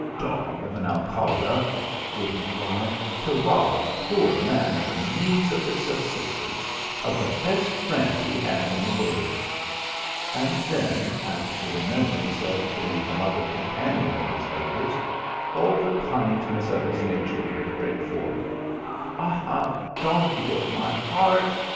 " Dog of an Al THE MOORS LEGACY. 109 ralcle !" would he cry, "to rob a poor man of the means of his subsistence of the best friend he had in the world !" And then at the remembrance of the beloved companion of his labours all the kind ness of his nature would break forth. " Ah donkey of my heart